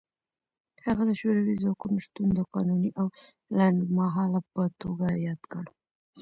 هغه د شوروي ځواکونو شتون د قانوني او لنډمهاله په توګه یاد کړ.